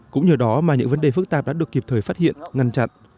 cũng nhờ đó mà những vấn đề phức tạp đã được kịp thời phát hiện ngăn chặn